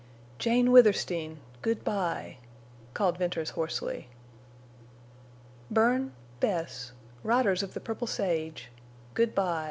"Jane Withersteen!... Good by!" called Venters hoarsely. "Bern—Bess—riders of the purple sage—good by!"